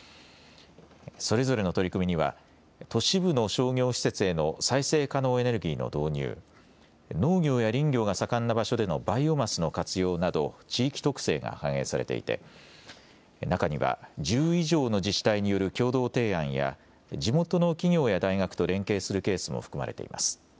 それぞれの取り組みには都市部の商業施設への再生可能エネルギーの導入、農業や林業が盛んな場所でのバイオマスの活用など地域特性が反映されていて中には１０以上の自治体による共同提案や地元の企業や大学と連携するケースも含まれています。